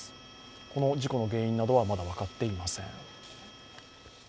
この事故の原因などはまだ分かっていません。